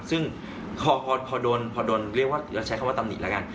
ซึ่งพอพอพอโดนพอโดนเรียกว่าเราใช้คำว่าตำนิขแล้วกัน